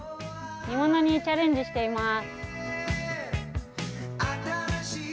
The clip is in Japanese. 煮物にチャレンジしています。